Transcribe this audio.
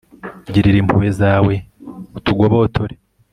girira impuhwe zawe, utugobotore